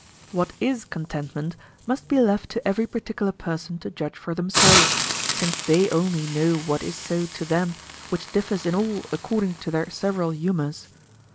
What is contentment, must be left to every particular person to judge for themselves, since they only know what is so to them which differs in all according to their several humours.